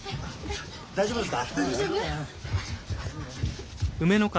大丈夫ですか？